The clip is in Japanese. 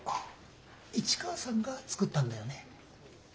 市川さんが作ったんだよね。